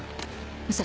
武蔵